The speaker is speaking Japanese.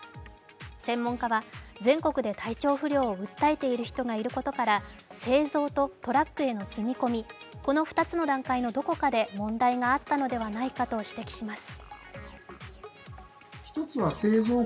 専門家は、全国で体調不良を訴えている人がいることから、製造とトラックへの積み込み、この２つの段階のどこかで問題があったのではないかと指摘します。